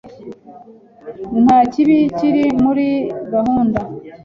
Nta kibi kiri muri gahunda.